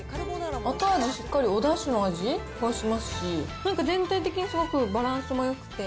後味しっかり、おだしの味がしますし、なんか全体的にすごくバランスもよくて。